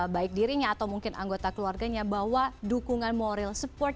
baik dirinya atau mungkin anggota keluarganya bahwa dukungan moral support